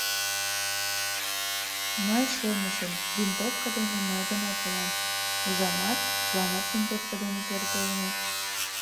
— Мый шонышым, винтовка дене мый гына толам, ужамат, чыланат винтовка дене пӧртылыныт.